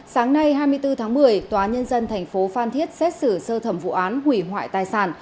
sáng nay hai mươi bốn tháng một mươi tòa nhân dân thành phố phan thiết xét xử sơ thẩm vụ án hủy hoại tài sản